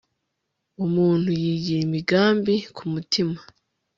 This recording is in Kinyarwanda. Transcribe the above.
umuntu yigira imigambi ku mutima